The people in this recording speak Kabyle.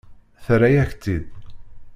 Terra-yak-tt-id.